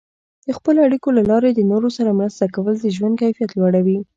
د خپلو اړیکو له لارې د نورو سره مرسته کول د ژوند کیفیت لوړوي.